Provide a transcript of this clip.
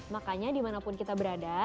makanya dimanapun kita berada